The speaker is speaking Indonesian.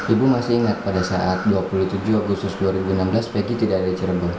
ibu masih ingat pada saat dua puluh tujuh agustus dua ribu enam belas peggy tidak ada di cirebon